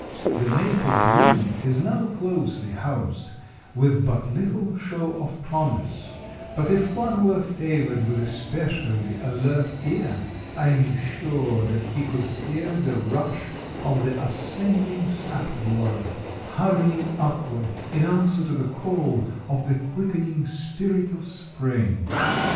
The maple bloom is now closely housed, with but little show of promise, but if one were favored with a specially alert ear, I am sure that he could hear the rush of the ascending sap blood, hurrying upward in answer to the call of the quickening Spirit of Spring.